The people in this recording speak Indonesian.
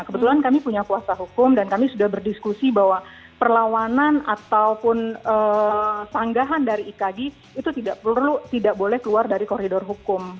kebetulan kami punya kuasa hukum dan kami sudah berdiskusi bahwa perlawanan ataupun sanggahan dari ikg itu tidak perlu tidak boleh keluar dari koridor hukum